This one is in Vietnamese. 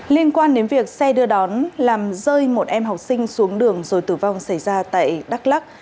liên quan đến việc xe đưa đón làm rơi một em học sinh xuống đường rồi tử vong xảy ra tại đắk lắc